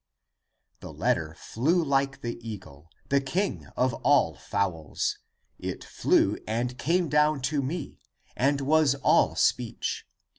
^^ <It (i. e. the letter) flew like the eagle, The king of all fowls. It flew and came down to me And was all speech.